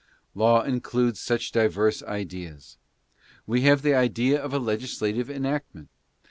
Law includes such diverse ideas. We have the idea of a legislative enactment.